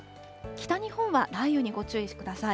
北日本は雷雨にご注意ください。